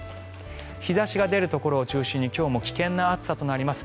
日差しが出るところを中心に今日も危険な暑さになります。